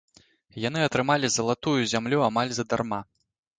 Яны атрымалі залатую зямлю амаль задарма.